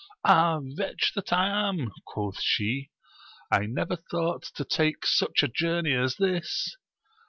Ah, wretch tliat I am ! quoth she, I never thought to take such a j(jurney as this.